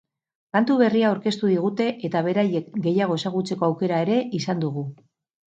Kantu berria aurkeztu digute eta beraiek gehiago ezagutzeko aukera ere izan dugu.